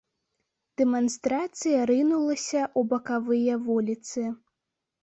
Дэманстрацыя рынулася ў бакавыя вуліцы.